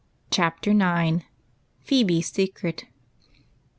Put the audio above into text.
CHAPTER IX. PHEBE'S SECRET.